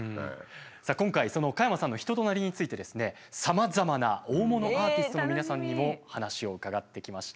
さあ今回その加山さんの人となりについてですねさまざまな大物アーティストの皆さんにも話を伺ってきました。